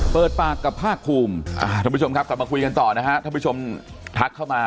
เปิดปากกับภาคภูมิท่านผู้ชมครับกลับมาคุยกันต่อนะฮะท่านผู้ชมทักเข้ามา